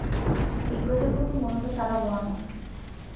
এই প্রজাপতি মূলত: সাদা বর্ণের।